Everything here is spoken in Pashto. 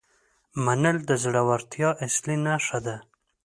منل د زړورتیا اصلي نښه ده.